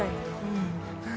うん。